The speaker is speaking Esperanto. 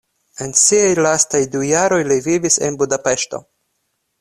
En siaj lastaj du jaroj li vivis en Budapeŝto.